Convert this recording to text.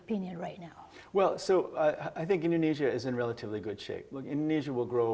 meningkatkan hasil pembangunan manusia